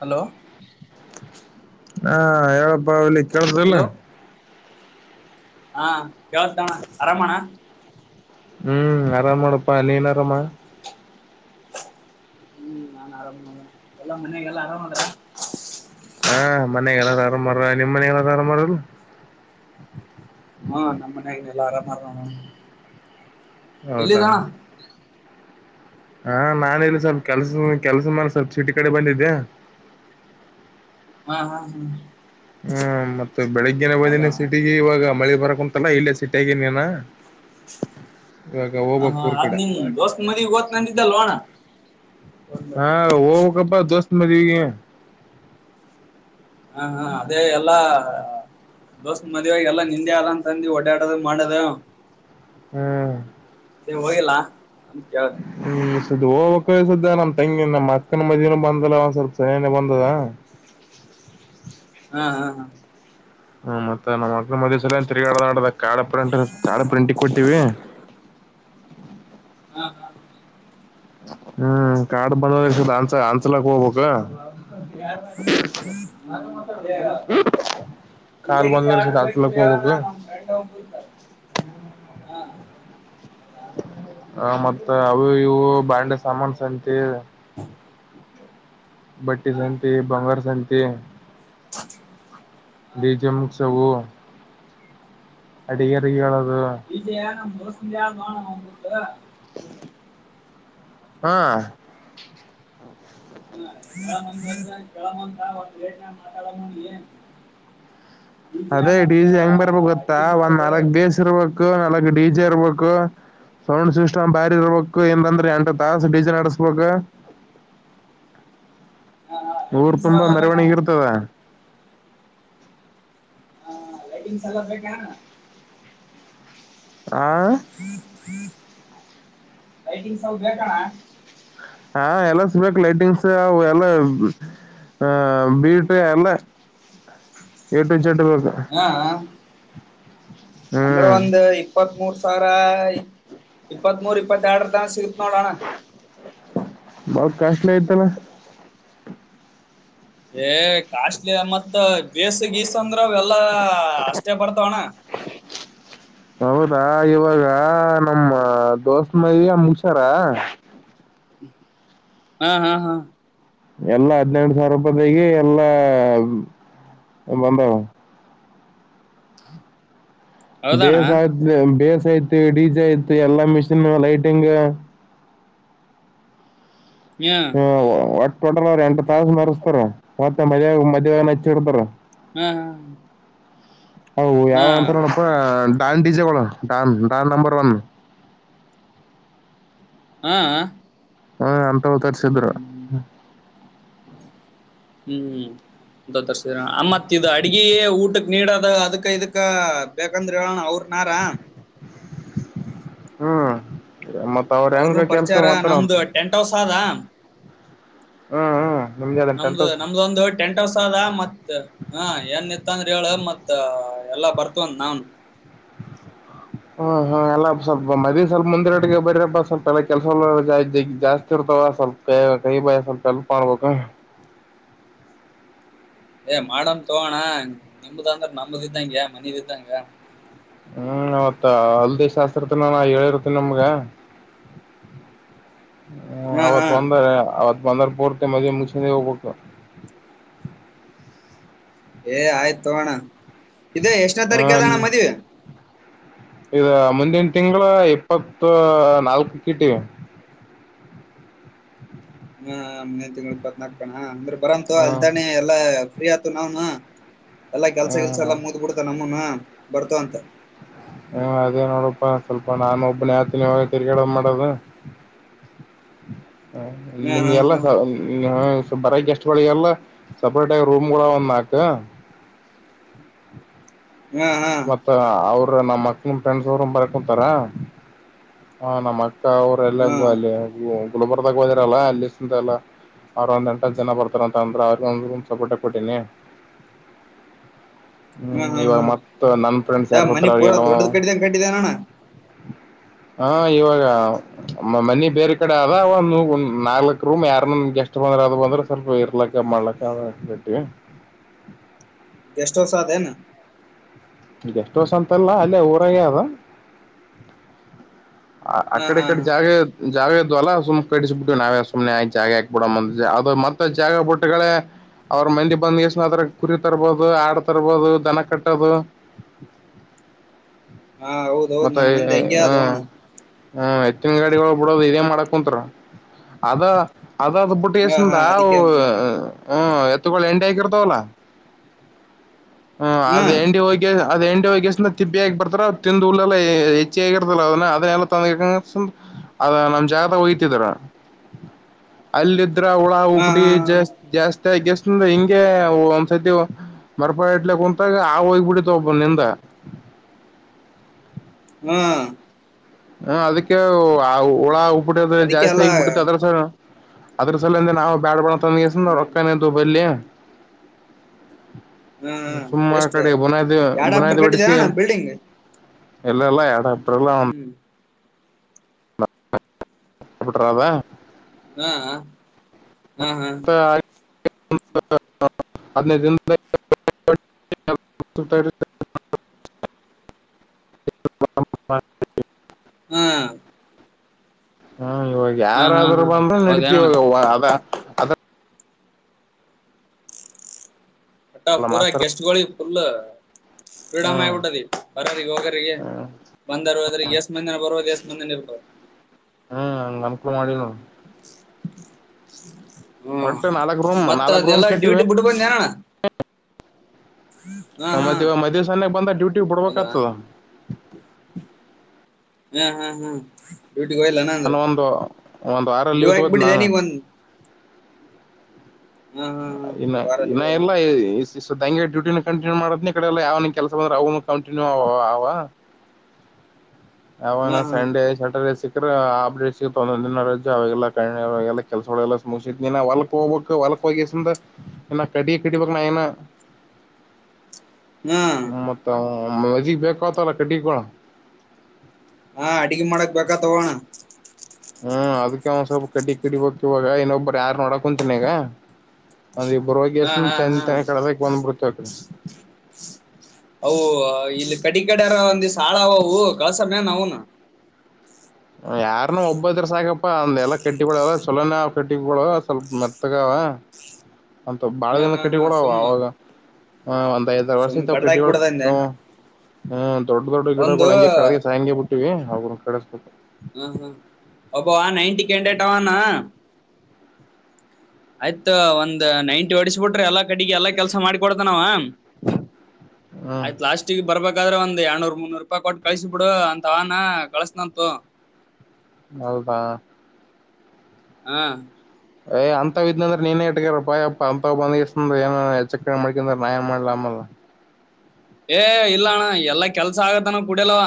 Hello ಹಾ ಹೇಳಪ್ಪ ಹುಲಿ ಕೇಳ್ದ ಇಲ್ಲ ಹಲೋ ಹಾ ಕೇಳತ್ತಣ ಅರಾಮಣ್ಣ ಹ್ಮ್ ಆರಾಮ ನೋಡಪ್ಪಾ ನೀನ್ ಅರಾಮ ಹ್ಮ್ ನಾನ್ ಆರಾಮ ನೋಡೋಣ್ಣ ಎಲ್ಲಾ ಮನೆಗೆಲ್ಲಾ ಆರಾಮಲ್ಲ ಹಾ ಮನ ಗಲ್ಲಾರು ಆರಾಮ್ ಮಾರಾಯ ನಿಮ್ ಮನೆಗಲ್ಲಾರು ಆರಾಮ್ ಆರಿಲ್ ಹಾ ನಮ್ಮ್ ಮನ್ಯಾಗ [unintelligible] ಹೌದಾ ಎಲ್ಲಿದಣ ಹಾ ನಾನ ಇಲ್ಲಿ ಸ್ವಲ್ಪ ಕೆಲ್ಸ ಕೆಲ್ಸ ಮ್ರ ಸ್ವಲ್ಪ ಶಿಟಿ ಕಡೆ ಬಂದಿದ್ದೆ ಹಾ ಹಾ ಹಾ ಹ್ಮ್ ಮತ್ತ ಬೆಳಗ್ಗಿನ ಹೌದಣ ಬಂದಿನಿ ಸಿಟಿಗಿ ಇವಾಗ ಮಳಿ ಬರಕ್ ಕುಂತಲ್ಲಾ ಇಲ್ಲೇ ಸಿಟಿಯಾಗ ನೀ ನಾ ಇವಾಗ ಹ ಹೋಗಬೇಕ ಹಾ ಊರ್ ಅದ್ ಕಡೆ ನಿಮ್ ದೋಸ್ತ್ ಮದಿಗ್ ಓದ್ತಂದಿದ್ದಲ್ವ ಅಣ್ಣ ಹಾ ಹೋಗಬೆಕಪ್ಪಾ ದೋಸ್ತ್ ಮದವಿಗೆ ಹಾ ಹಾ ಅದೇ ಎಲ್ಲಾ ದೋಸ್ತ್ ಮದ್ವೆಯಾಗಿ ಎಲ್ಲಾ ನಿಂದೆ ಆದ್ ಅಂತಂದಿ ಓಡಾಡದು ಮಾಡದು ಹ್ಮಾ ಅತ್ತೇ ಹೋಗಿಲ್ಲಾ ಅಂತ ಕೆ ಹೋಗ್ಕ್ ಈ ಸದ್ಯ ನಮ್ಮ ತಂಗಿ ನಮ್ಮ್ ಅಕ್ಕನ ಮದನು ಬಂದಲ್ಲ ಒಂದ್ ಸ್ವಲ್ಪ ಸನೆನ ಬಂದದ ಹಾ ಹಾ ಹಾ ಹ್ಮ್ ಮತ್ತೆ ನಮ್ಮ ಮಕ್ಳ ಮದುವೆಗೆ ಸರಿಯಾಗಿ ತಿರುಗಾಡ್ದ ಆಡ್ದ ಕಾಡ ಪ್ರಂಟ ಕಾರ್ಡ್ ಪ್ರಿಂಟಿಗೆ ಕೊಟ್ಟವಿ [unintelligible] ಹ್ಮ್ ಕಾಡು ಬಳ್ಳೋಳ ಅನ್ಸ ಅನ್ಸಲಾಕ್ ಹೋಗ್ಬೇಕ [unintelligible] ಪೀಸಾ ಗಿಜಾ ಆರ್ಡ್ರ ಬೇಕಿದ್ರೆ ಹೇಳೋಣ ನಮ್ ಫ್ರೆಂಡ್ ಒಬ್ಬ ಇದ್ದಾರ ಹಾ ಮತ್ತ ಅವು ಇವು ಬಾಂಡೆ ಸಾಮಾನ ಸಂತಿ ಬಟ್ಟಿ ಹಾ ಸಂತಿ, ಬಂಗಾರ ಸಂತಿ [unintelligible] ಡಿಜೆ ಮುಗ್ಸಿವು ಅಡಿಗೆರೆಗೆ ಹೇಳ ಹೋಗು [unintelligible] ವಿಜಯ ದೋಸ್ತಿಯ [inaudible] ಹಾ [unintelligible] ಮಾತಾಡೋನಿಗೆ ಅದೇ ಡಿಜಿ ಹೆಂಗ್ ಬರ್ಬೇಕು ಗೊತ್ತಾ ಒಂದ್ ಮಾಡೋದು ನಾಲ್ಕ್ ಬೇಸ್ ಇರ್ಬೇಕು ನಾಲ್ಕ್ ಡಿ ಜೆ ಇರಬೇಕು ಸೌಂಡ್ ಸಿಸ್ಟಮ್ ಬಾರಿ ಇರ್ಬೇಕು ಏಂದ್ರೆ ಎಂಟ ತಾಸ ಡಿಜೆ ನಡೆಸ ಗ ಹ ಊರ್ ಲೈಟಿಂಗ್ಸ್ ತುಂಬಾ ಎಲ್ಲ ಬೇಕಣ ಮೆರವಣಿಗೆ ಇರ್ತದ ಹಾ ಲೈಟಿಂಗ್ಸ್ ಎಲ್ಲ ಬೇಕಾ ಏನ ಆ ಲೈಟಿಂಗ್ ಅವೆ ಬೇಕಣ್ಣ ಹಾ ಎಲ್ಲ ಸಿಗ್ಬೇಕು ಲೈಟಿಂಗ್ಸ್ ಎಲ್ಲ ಅ ಬೀಟು ಎಲ್ಲ ಎ ಟು ಜೆಡ್ ಎಲ್ಲಾ ಅಂದ್ರೆ ಒಂದ್ ಇಪ್ಪತ್ ಮೂರು ಸಾವಿರ ಇಪ್ಪತ್ತ್ ಮೂರ್ ಇಪ್ಪತ್ತ ಎರಡರ ತಸ ಸಿಗತ್ ನೋಡೋಣ ಬಾಳ ಕಾಸ್ಟ್ಲಿ ಆಯಿತಲ್ಲ ಏ ಕಾಸ್ಟ್ಲಿ ಮತ್ ಬೇಸ್ ಗೀಸ್ ಅಂದ್ರಾವ ಎಲ್ಲ ಎಲ್ಲ ಅಷ್ಟೇ ಬರ್ತವೆ ಅಣ್ಣ ಹೌದಾ ಇವಾಗ ನಮ್ಮ ದೋಸ್ ಮದುವೆಗೆ ಮುಗ್ಸೋಣ ಹ ಹಾ ಹಾ ಎಲ್ಲಾ ಹದ್ನೆೆಡು ಸಾವಿರ ರೂಪಾಯ ದಗ ಎಲ್ಲಾ ಬಂದಾವ ಹೌದಣ್ಣ ಬೇಸ್ ಆ ಬೇಸ್ ಐತ್ ಡಿ ಜೆ ಐತ್ತೆ ಎಲ್ಲಾ ಮಿಷಿನ್ ಲೈಟಿಂಗ್ ಹ ಹ್ಮ ಒಟ್ಟ ಟೋಟಲ್ ಅವ್ರ ಎಂಟು ತಾಸ ಮರೆಸ್ತಾರ ಮತ್ತೆ ಮದ ಮದ್ ಹಚ್ಚಿಡ್ತಾರ ಹ್ಮ್ ಹ್ಮ್ ಅವು ಯಾವ ಅಂತ ನೋಡಪ್ಪಾ ಡ್ಯಾನ್ ಡೀಜೆ ಗಳು ಡಾನ್ ಡಾನ್ ನಂಬರ್ ಒನ್ ಹ ಹ ಹ್ಮ ಅಂತವ್ ತರ್ಸಿದ್ರು ಹ್ಮ್ ಅಂತವ್ ತರ್ಸಿದ್ರು ಆ ಮತ್ ಇದು ಅಡಗೆೇ ಊಟಕ್ ನೀಡ ಅದ ಅದಕ್ಕ ಇದಕ್ಕ ಬೇಕಂದ್ರೆ ಹೇಳಣ ಅವ್ರನಾರ ಹ್ಮ್ ಮತ್ತ ಅವ್ರ ಅವ್ರನು ಹೆಂಗ ಕೆಲ್ಸ ಪರಿಚಾರ ಮಾಡ್ತಾರ ನಮ್ದ ಅಂತ ಟೆಂಟ್ ಹೌಸ್ ಆದ ಹ್ಮ್ ಹ್ಮ ನಮ್ದು ನಮ್ದ ಒಂದು ಟೆಂಟ್ ಹೌಸ್ ಅದ ಮತ್ ಹ ಏನಿತ್ತು ಅಂದ್ರೆ ಹೇಳ ಮತ್ ಎಲ್ಲಾ ಬರ್ತವಂದ ನಾವನ್ ಹ ಹ ಎಲ್ಲಾ ಸ್ವಲ್ಪ ಮದಿ ಸ್ವಲ್ಪ ಮುಂದೆ ರಟ್ಟಿಗೆ ಬರ್ರಪ್ಪಾ ಸ್ವಲ್ಪ ಎಲ್ಲ ಕೆಲಸ ಜಾಸ್ತಿ ಇರ್ತವ ಸ್ವಲ್ಪ ಕೈ ಬಾಯ ಸ್ವಲ್ಪ ಎಲ್ಲ ಹೆಲ್ಪ್ ಆಗಬೇಕು ಏ ಮಾಡನ್ ತಗೋಣ ನಿಮ್ದ ಅಂದ್ರ ನಮದ ಇದ್ದಂಗೆ ಮನೆದು ಇದ್ದಂಗ ಹ್ಮ್ ಅವತ್ತ ಹಲ್ದಿ ಶಾಸ್ತ್ರದನಾನಾ ಹೇಳಿರ್ತೀನಿ ನಿಮ್ಗ [inaudible] ಹ್ಮ ಹಾ ಅವತ್ ಹಾ ಬಂದ ಅವತ್. ಬಂದ್ರ ಪೂರ್ತಿ ಮನಿ ಮುಚ್ಕೊಂಡೆ ಹೋಗಬೇಕ್. ಏ ಆಯ್ತು ತೊಗೊ ಅಣ್ಣ ಇದ ಎಷ್ಟನೇ ಹ ತಾರೀಕ ಆದ ಅಣ್ಣ ಮದುವಿ. ಇದ ಮುಂದಿನ ತಿಂಗಳ ಇಪ್ಪತ್ತು ನಾಲ್ಕ ಇಟ್ಟಿವ ಹ ಮುಂದೇ ತಿಂಗ್ಳ ಇಪ್ಪತ್ನಾಕಣ ಅಂದ್ರೆ ಬರಂತು ಹ್ಮ್ ಅಲ್ತಾನೆ ಎಲ್ಲಾ ಫ್ರೀ ಆತು ನಾನು ಎಲ್ಲ ಕೆಲಸ ಕೆಲಸ ಹ್ಮ್ ಎಲ್ಲ ಮುದ್ಬಿಡ್ತ ನಮ್ಮನು ಬರ್ತು ಅಂತ ಹ್ಮ ಅದೇ ನೋಡಪ್ಪಾ ಸ್ವಲ್ಪ ನಾನು ಒಬ್ಬನೇ ಆತನಿ ಇಾಗ ತಿರ್ಗಾಡ ಮಾಡೋದು [inaudible] ಹ ಹ್ಮ್ ನಿಮ್ ಎಲ್ಲ ಹ್ಮ್ ಸ ಬರ ಗೆಸ್ಟ್ಗಳಿಗೆಲ್ಲ ಸಪ್ರೇಟ್ ಆಗಿ ರೂಮ್ಗಳ ಒಂದ್ ನಾಲ್ಕು [inaudible] ಮತ್ತ ಅವ್ರ ನಮ್ಮ್ ಮಕ್ಳ ಫ್ರೆಂಡ್ಸ್ ಅವರು ಬರ್ಕೊಂತಾರ ನಮ್ಮ್ ಅವ್ರ ಹ್ಮ್ ಎಲ್ಲಂಗು ಅಲ್ಲಿ ಗುಲ್ಬರ್ದಾಗ ಹೋದಿರಲ್ಲ ಅಲ್ಲಿಸ ಮಠ ಎಲ್ಲಾ. ಅವ್ರ ಒಂದ್ ಎಂಟ ಹತ್ತ ಜನ ಬರ್ತಾರಂತ ಅಂದ್ರ ಅವ್ರಿ ಒಂದ ರೂಮ್ ಸೆಪೆರೇಟ್ ಕೊಟ್ಟಿನಿ. [inaudible] ಹ್ಮ್ ಇವಾಗ ಮತ್ ನನ್ ಫ್ರೆಂಡ್ಸ್ ಏ ಯಾರ್ ಬರ್ತ್ ಮನಿ ಅವ್ರಿಗಿ ಪೂರಾ ಎಲ್ಲಾ. ದೊಡ್ಡದ್ ಕಟ್ಟಿದಂಗ ಕಟ್ಟಿದೇನಣ್ಣ [inaudible] ಹಾ ಇವಾಗ. ಅಮ್ಮ ಮನಿ ಬೇರೆ ಕಡೆ ಆದ ಅವ ಒಂದ್ ನಾಲ್ಕಕ್ ರೂಮ್ ಯಾರ್ನ್ ಗೆಸ್ಟ್ ಬಂದ್ರ ಅದು ಬಂದ್ರೆ ಸ್ವಲ್ಪ ಇರ್ಲಕ್ಕ. ಮಾಡಲಕ ಅದ ಆಗ್ತೈತಿ. ಗೇಸ್ಟ ಹೌಸ್ ಆದ ಎನ್. ಗೆಸ್ಟ್ ಹೌಸ್ ಅಂತಲ್ಲ ಅಲ್ಲೇ ಊರಗೆ ಆದ. ಅ ಹಾ ಕಡೆ ಈ ಹಾ ಕಡೆ ಜಾಗ ಜಾಗ. ಇದು ಅಲ್ಲ ಸುಮ್ ಕಟಿಸಿ ಬಿಡ್ತೀವಿ ನಾವೇ ಸುಮ್ನೆ ಯಾಕ ಜಾಗ ಯಾಕ ಬಿಡನ [unintelligible] ಅದು ಮತ್ತೆ ಜಾಗ ಬಿಟ್ಟುಗಳೇ. ಅವ್ರ ಮಂದಿ ಬಂದ್ ಇಳಿಸಿ ಹೋದ್ರ ಕುರಿ ತರ್ಬೋದು ಆಡ್ ತರ್ಬೋದು ದನ ಕಟ್ಟೋದು. ಹಾ ಹೌದ ಹೌದು ಮತ್ತೆ ನಮ್ಮ ಮಂದಿ ಹಂಗೆ ಹ ಅದ ಓ ಅಣ್ಣ. ಹ್ಮ್ ಎತ್ತಿನ ಗಾಡಿಗಳಗಳು ಬಿಡೋದು ಇದೇ ಮಾಡಕ ಕುಂಂತರ ಅದ. ಅದ ಅದು ಬಿಟ್ಟ ಹಾ ಕೆಸಿಂದ ಹಾ ಅದಕ್ಕೆ ಹ್ಮ [unintelligible] ಹ್ಮ್ ಎತ್ತುಗೋಳ ಹೆಂಡಿ ಹಾಕಿರ್ತವ ಅಲ್ಲ ಹ್ಮ ಅದ ಹೆಂಡಿ ಒಗಿ. ಅದ ಹೆಂಡಿ ಒಗಿ ಅಷ್ಟರಲಿ ತಿಪ್ಪಿ ಅಗಿ ಬರ್ತದ ತಿಂದ ಹುಲ್ಲ ಎಲ್ಲ ಹೆಚ್ಚಿ ಆಗರ್ತದಲ್ಲ ಅದನ್ನ ಅದೇ. [unintelligible] ಏಕೆಂದರ ಸುಮ ಅದ ನಮ್ ಜಾಗ ದಗ ವಗಿತಿದ್ರ ಅಲ್ಲದ [unintelligible] ಹುಳ ಹಾ ಹಾ ಹುಬಟಿ ಜಾಸ್ತಿ ಜಾಸ್ತಿ ಆಗಿ ಕೇಸಿಂದ್ರ ಹಿಂಗೆ ಒಂದ್ ಸತಿ [unintelligible] ಮರ ಪೆಟ್ಲೆ ಕುಂತಾಗ ಹಾವ ಹೋಗಿಬಿಟ್ಟಿತ್ತ ಅವ್ನ್ ಹಿಂದ. [inaudible] ಹ. ಹ ಅದಕ್ಕೆ ಹ ಹುಳ ಹುಬಟ್ಟಿ ಅದು ಅದಕ್ಕೆ ಜಾಸ್ತಿ ಅಲ್ಲ ಆಗಿ ಬಿಟ್ಟತ್ತ ಅದ್ರ ಸ. ಅದ್ರ ಸಲಂದೆ ನಾವು ಬ್ಯಾಡ್ ಬ್ಯಾಡ ಅಂತ ಕೆಸಿಂದ ಹ್ಮ್ ರೊಕ್ಕನು ಇದ್ದು ಬಲ್ಲಿ. ಹಾ ಸುಮ್ಮ ಅ ಎಷ್ಟ ಕಡಿ ಬುನಾದಿ ಎರಡ್ ಬುನಾದಿ ಆಫ್ಟರ್ ಕಟ್ಟಿದೆ ಹೊಡೆಸಿ. ಅಣ್ಣ ಬಿಲ್ಡಿಂಗ್ ಎಲ್ಲಲ್ಲಾ ಯಾಡ್ ಹತ್ತರಲ [unintelligible] ಹ್ಮ್ ಹತ್ತ [unintelligible] ಗ ಹಾ ಹ ಹಾ ಹಾ. [inaudible] ಹದಿನೈದ ದಿನದಲೆ. [inaudible] [unintelligible] ಹಾ. ಹ್ಮ್ ಇವಾಗ ಹಾ ಯಾರಾದ್ರೂ ಹಾ ಬಂದ್ರ ನಡತಿ ಹೌದೇನಣ್ಣ ಇವಾಗ ಅದ ಅದ. ವಟ್ಟ ಪೂರಾ ಮಾಸ್ತರ್ ಗೆಸ್ಟ್ ಗೋಳಿಗಿ ಫುಲ್. ಕ್ರೀಡಾಮಯ ಆಗಿ ಹ್ಮ್ ಬಿಟ್ಟದಿ ಬರೋರಿಗಿ ಹೋಗೋರಿಗಿ ಹ್ಮ್ ಬಂದರು. ಆದ್ರ ಎಸ್ ಮಂದಿನ ಬರ್ೋದು ಎಸ್ ಮಂದೇ ನಿಲತರ. ಹ್ಮ್ ಹಂಗ ಅನ್ಕೂಲ ಮಾಡಿನ ನೋಡ್. ಹ್ಮ ನಾಲ್ಕ್ ರೂಮ್ ಮತ್ತತ್ ನಾಲ್ಕ್ ಅದೆ ರೂಮ್ ಎಲ್ಲ ಕಟ್ಟಿವಿ ಡ್ಯೂಟಿ ಬಿಟ್ಟ ಬಂದನಣ ಹಾ ನ ಹಾ ಮತ್ತ ಇ ಮದ್ ಸಾನಯಗ್ ಬಂದ ಡ್ಯೂಟಿಗ್ ಬಿಡ್ಬೇಕಾಗ್ತದ ಹ ಹಾ ಹಾ ಹಾ ಡ್ಯೂಟಿಗೆ ಹಯಲ್ಲನಾ ಅಂದ್ರೆ ಒಂದ ವಾರ ಲೀವ್ ತೊಗೊತೀನಿ ನಾನು. ಹಾ ಹಾ ಹಾ ಇನ್ನ ಒಂದ್ ವಾರ ಇನ್ನ ಲೀವ್ ಇಲ್ಲ ಹಾ ಈ. [unintelligible] [unintelligible] ಡ್ಯೂಟಿನ ಕಂಟಿನ್ಯೂ ಮಾಡಿದನಿ ಈ ಕಡೆ ಎಲ್ಲ ಯಾವ ಕೆಲಸ ಬಂದ್ರೆ ಅವನು ಕಂಟಿನ್ಯೂ ಅವ ಅವ. [unintelligible] ಅವಾ ನ ಹಾ ಸಂಡೆ ಸ್ಯಾಟರ್ಡೆೇ ಸಿ ಕರೆ [unintelligible] ತೊಗೊಂಡೀನಿ ನಾ [unintelligible] ಅವಾಗ ಕೆಲಸ ಗೋಳ ಎಲ್ಲಾ ಮುಗಿಸಿದನಿ ನಾ ಹೊಲ್ಕ್ ಹೋಗುಕ ಹೊಲಕ್ಕ. ಹೋಗಿ ಕೆಸಿಂದ ಇನ್ನ ಕಟಗಿ ಕಡಿಬೇಕ ನಾ ಇನ್ನ. ಹಾ ಮತ್ತ ಮದೇವಿ ಬೇಕ ಆಗ್ತಾಾವಲ್ಲ ಕಟ್ಟಗಿ ಗೋಳ. ಹಾ ಅಡಗಿ ಮಾಡಕ್ ಬೇಕಾಗ ತಾವು ಓ ಅಣ್ಣ. ಹ್ಮ್ ಅದಕ್ಕೆ ಒಂದ್ ಸ್ವಲ್ಪ ಕಟ್ಟ ಕಡಿ ಬಕ್ ಇವಾಗ ಇನ್ನೊಬ್ಬರು ಯಾರ್ು ನೋಡ ಕುಂತಿನಿಗ. ಒಂದ್ ಇಬ್ಬರುಗ ಹಾ ಎಷ್ಟ ಹಾ ಹಾ ಚೆಂದ ಕಡದಕ್ ಬಂದ್ಬಿಡ್ತಕಿ ಅವು ಇಲ್ಲಿ ಕಡಿ ಕಡಾರ ಒಂದಿ ಸಾಳ ಅವವು ಕಲ್ಸಯ ನವುನು ಯಾರನು ಒಬ್ಬದ್ರ ಸಾಕಪ್ಪಾ ಅಂದ ಎಲ್ಲ ಕ ಕೆಟ್ಟಿಗಳು ಎಲ್ಲ ಚೊಲೋನಾವ್ ಕಟ್ಟಿಗಳು ಸ್ವಲ್ಪ ಮೆತ್ತಗ ಅಂತ ಬಳ ಹಾ ದ ಹಾ ಹಾ ಕಟ್ಟಡ ಸುಮ್ಮ ದ ವರ್ಷ ಸುಮ್ ಕೆಟ್ಟಿ ಕಡ್ದಾಕ್ ಒ ಬಿಡದಂದೆ ಹ್ಮ ದೊಡ್ಡ ದೊಡ್ಡ ಒಂದು ಗಿಡಗಳು ಹಂಗೆ ಕಳಗೆ ಸಾಯಗೆ ಬಿಟ್ಟಿವವಿ ಅವ ಕಳಿಸ್ಬು ಅಬ ಕಟಟಾವಣ ಆಯ್ತ ಒಂದ್ ನೈಂಟಿ ಒಡಸ್ಬಿಟ್ರಿ ಎಲ್ಲಾ ಕಡೆಗೆ ಎಲ್ಲಾ ಕೆಲ್ಸ ಮಾಡಿಕೊಡತನಾವ ಹ್ಮ್ ಆಯ್ತ್ ಪ್ಲಾಸ್ಟಿಕ್ ಬರ್ಬೇಕಾದ್ರೆ ಒಂದ ಎನೂರು ಮುನ್ನೂರು ರೂಪಾಯಿ ಕೊಟ್ಟು ಕಳಸ ಬಿಡು ಅಂತ ಅವಾನ ಕಳಸನಂತು ಹೌದಾ ಹಾ ಏ ಅಂತ್ ಇದ್ ಅಂದ್ರೆ ನೀನೇ ಇಟ್ಕ್ಯಾರಪ್ಪ ಅಪ್ಪ ಅಂತವ್ ಬಂದ ಏನಚ್ಚಕ ಮಾಡಕ್ರ ನಯಾಯ ಮಾಡಲ ಅ ಹ ಏ ಇಲ್ಲ ಅಣ್ಣ ಎಲ್ಲಾ ಕೆಲ್ಸ ಆಗತ್ತಾನ ಕುಡಿಯಲವ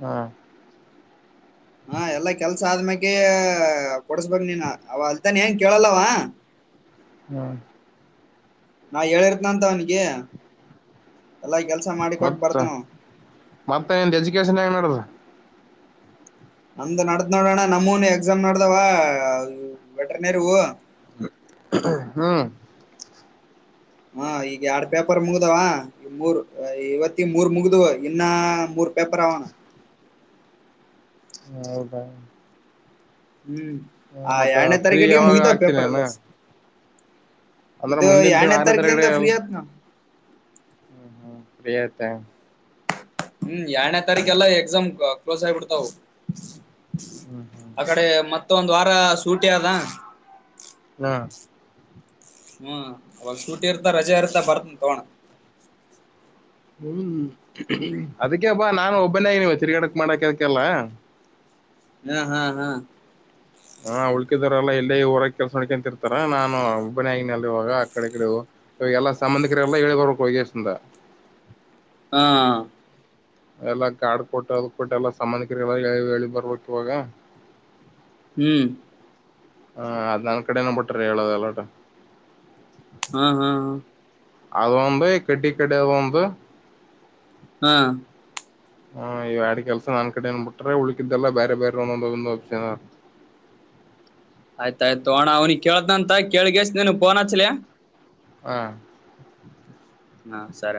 ಹ್ಮ ಹಾ ಎಲ್ಲಾ ಕೆಲ್ಸ ಆದ್ಮ್ಯಾಗ ಕೊಡ್ಸ್ಬೇಕ್ ನೀನ್ ಅವ ತಾನ ಹೆಂಗ ಕೇಳಲ್ಲವಾ ಹಾ ನಾ ಹೇಳಿರ್ತನ ಅಂತ ಅವನಿಗೆ ಎಲ್ಲಾ ಕೆಲ್ಸ ಮಾಡಿ ಕೊಟ್ಟ ಮತ್ತ ಬರ್ತನ ಮತ್ತ ನಿಂದ ಎಜುಕೇಶನ್ ಹೆಂಗ್ ನಡದ ನಮ್ದ್ ನಡ್ದ್ ನೋಡೋಣ ನಮ್ಮೂನು ಎಕ್ಸಾಮ್ ನಡ್ದಾವ ವೆಟ್ರನೇರಿ ಹ್ಮ್ ಹಾ ಈಗ ಎರಡ್ ಪೇಪರ್ ಮುಗ್ದಾವ ಈ ಮೂರ್ ಇವತ್ತ ಮೂರ್ ಮುಗ್ದ ಇನ್ನ ಮೂರ್ ಪೇಪರ ಆವಣ ಹೌದ ಹ್ಮ್ ಆ ಎರಡನೇ ಫ್ರೀ ತಾರೀಕುಡಿಗೆ ಯಾವಾಗ ಮುಗಿತ ಪೇಪರ್ ಎಲ್ಲ ಆಗ್ತೀನೇನ ಅಂದ್ರ ಇದು ಮುಂದಿನ ತಿಂಗಳ ಎರನೇ ತಾರಕಲಿಂದ ಫ್ರೀ ಆತ್ ನ ಹ್ಮ್ ಹ್ಮ್ ಪ್ರಿಯತ್ತಾ ಹ್ಮ್ ಎರಡ ನೇ ತಾರೀಖ ಎಲ್ಲ ಎಕ್ಸಾಮ್ ಕ್ಲೋಸ್ ಆಗಬಿಡ್ತವು ಆ ಕಡೆ ಮತ್ತ ಒಂದ್ ವಾರ ಸೂಟಿ ಅದ ಹಾ ಹ್ಮ್ ಅವಾಗ ಶೂಟಿ ಇರ್ತ ರಜೆ ಇರ್ತಾ ಬರ್ತನ್ ತಗೋಣ ಹ್ಮ್ ಅದಕ್ಕೆಪ್ಪಾ ನಾನು ಒಬ್ಬನಾಗಿನವ ತಿರ್ಗಾಡಕ್ ಮಾಡಾಕದಕ್ಕೆಲ್ಲ ಹಾ ಹಾ ಹಾ ಹಾ ಉಳ್ಕಿದಾರಲ್ಲ ಎಲ್ಲೇ ಊರಾಗ ಕೆಲ್ಸ ನೋಡ್ಕೊಂತಿರ್ತಾರ ನಾನು ಒಬ್ಬನಿ ಆಗಿನಲ್ ಇವಾಗ ಆ ಕಡೆ ಕಡೆ ಇವಾಗ ಎಲ್ಲಾ ಸಂಬಂಧಿಕರೆಲ್ಲಾ ಹೇಳೇಗೋರ್ಬೇಕ ವ್ಂದ ಹಾ ಎಲ್ಲ ಕಾರ್ಡ್ ಕೊಟ್ಟು ಅದ ಕೊಟ್ಟ ಎಲ್ಲ ಸಂಬಂಧಿಕರಿಗೆ ಎಲ್ಲ ಹೇಳಿ ಬರ್ಬೇಕ ಇವಾಗ ಹ್ಮ್ ಹಾ ಅದ್ ನನ್ ಕಡೆನ ಬಿುಟ್ರ ಹೇಳೋದಲ್ಲೋಟ ಹಾ ಹಾ ಹಾ ಅ ಒಂಬ ಕೆಟ್ಟ ಕಡೆ ಒಂಬ ಹಾ ಹ್ಮ ಇ ಆಡ್ ಕೆಲ್ಸ ನಾನ್ ಕಡೆನ್ ಬಿಟ್ರೆ ಉಳಕಿದ್ದೆಲ್ಲ ಬೇರೆ ಬೇರೆ ಒಂದೊಂದೊಂದು ಅಷನ ಆಯ್ತಾಯ್ತು ಅಣ ಅವ್ನಿ ಕೇಳ್ದಂತ ಕೇಳಗಷ್ಟನು ಪೋನ್ ಹಚ್ಲಯ ಹಾ ಹಾ ಸರ